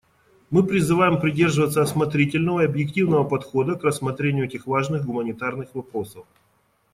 Мы призываем придерживаться осмотрительного и объективного подхода к рассмотрению этих важных гуманитарных вопросов.